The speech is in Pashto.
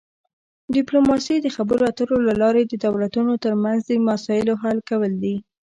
ډیپلوماسي د خبرو اترو له لارې د دولتونو ترمنځ د مسایلو حل کول دي